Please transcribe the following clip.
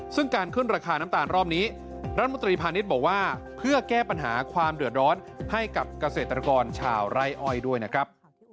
ซึ่งการขึ้นราคาน้ำตาลรอบนี้รัฐมนตรีพาณิชย์บอกว่าเพื่อแก้ปัญหาความเดือดร้อนให้กับเกษตรกรชาวไร่อ้อยด้วยนะครับ